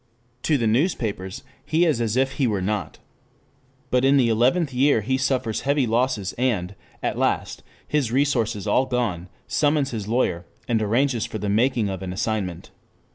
To the newspapers he is as if he were not. But in the eleventh year he suffers heavy losses and, at last, his resources all gone, summons his lawyer and arranges for the making of an assignment.